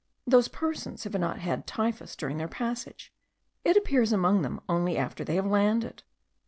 Those persons have not had typhus during their passage; it appears among them only after they have landed.